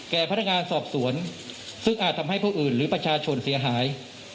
พนักงานสอบสวนซึ่งอาจทำให้ผู้อื่นหรือประชาชนเสียหาย